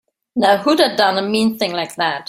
Now who'da done a mean thing like that?